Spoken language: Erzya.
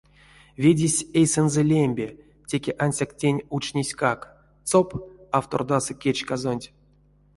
Ведесь эйсэнзэ лембе, теке ансяк тень учнеськак — цоп! — автордасы кечказонть.